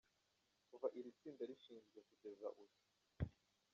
Kuva iri tsinda rishinzwe kugeza uyu